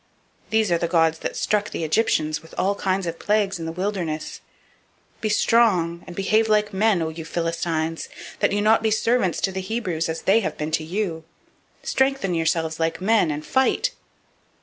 these are the gods that struck the Egyptians with all manner of plagues in the wilderness. 004:009 Be strong, and behave yourselves like men, O you Philistines, that you not be servants to the Hebrews, as they have been to you: quit yourselves like men, and fight.